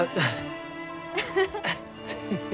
フフフ。